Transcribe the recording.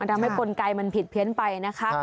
ทำให้กลไกมันผิดเพี้ยนไปนะคะ